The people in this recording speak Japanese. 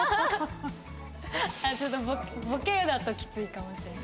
ちょっとボケだときついかもしれない。